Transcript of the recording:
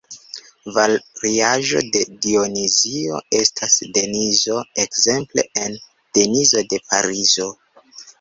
Variaĵo de "Dionizio" estas Denizo, ekzemple en Denizo de Parizo.